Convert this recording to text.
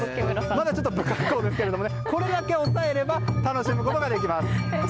まだ不格好ですがこれだけ押さえれば楽しむことができます。